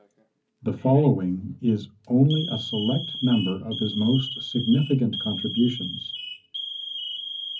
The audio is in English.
The following is only a select number of his most 'significant' contributions.